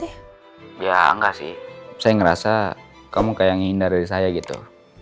ya enggak sih saya ngerasa kamu kayak ngindar dari saya gitu